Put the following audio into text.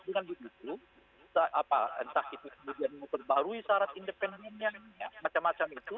dengan begitu entah itu kemudian memperbarui syarat independennya macam macam gitu